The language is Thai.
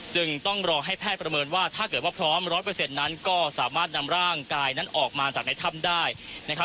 จึงต้องรอให้แพทย์ประเมินว่าถ้าเกิดว่าพร้อม๑๐๐นั้นก็สามารถนำร่างกายนั้นออกมาจากในถ้ำได้นะครับ